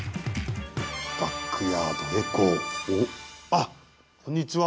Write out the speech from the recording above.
あっこんにちは。